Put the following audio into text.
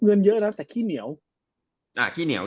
เงินเยอะนะแต่ขี้เหนียว